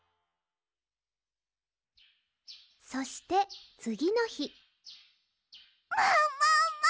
そしてつぎのひももも！